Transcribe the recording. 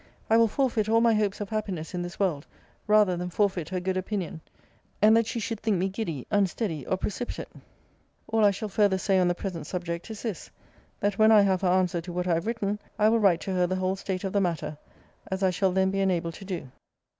I will forfeit all my hopes of happiness in this world, rather than forfeit her good opinion, and that she should think me giddy, unsteady, or precipitate. All I shall further say on the present subject is this, that when I have her answer to what I have written, I will write to her the whole state of the matter, as I shall then be enabled to do.